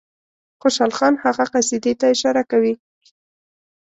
خوشحال خان هغه قصیدې ته اشاره کوي.